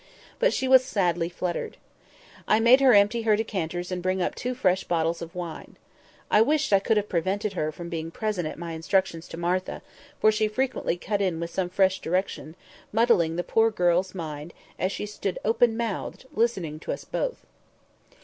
But she was sadly fluttered. I made her empty her decanters and bring up two fresh bottles of wine. I wished I could have prevented her from being present at my instructions to Martha, for she frequently cut in with some fresh direction, muddling the poor girl's mind as she stood open mouthed, listening to us both.